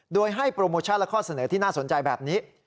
โดยให้โปรโมชั่นและข้อเสนอที่น่าสนใจแบบนี้